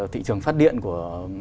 thị trường phát điện của